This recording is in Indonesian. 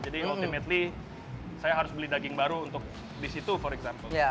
jadi ultimately saya harus beli daging baru untuk di situ for example